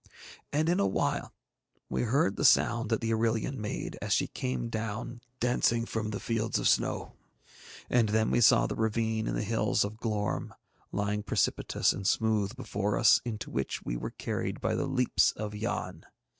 And in a while we heard the sound that the Irillion made as she came down dancing from the fields of snow. And then we saw the ravine in the Hills of Glorm lying precipitous and smooth before us, into which we were carried by the leaps of Yann.